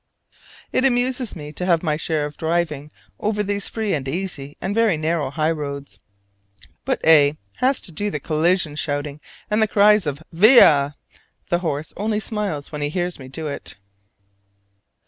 It amuses me to have my share of driving over these free and easy and very narrow highroads. But A. has to do the collision shouting and the cries of "Via!" the horse only smiles when he hears me do it.